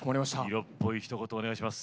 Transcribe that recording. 色っぽいひと言お願いします。